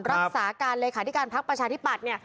รักษาการอะไรข้าวที่การพักประชาธิปัส